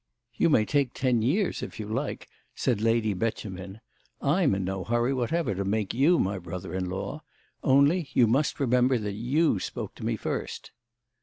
"You may take ten years if you like," said Lady Beauchemin. "I'm in no hurry whatever to make you my brother in law. Only you must remember that you spoke to me first."